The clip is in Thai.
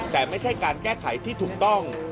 แต่ไม่ใช่การแก้ไขที่ถูกต้อง